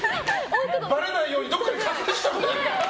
ばれないようにどこかに隠しとく。